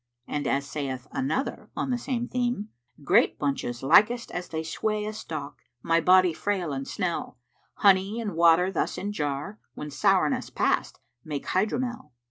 And as saith another on the same theme, "Grape bunches likest as they sway * A stalk, my body frail and snell: Honey and water thus in jar, * When sourness past, make Hydromel."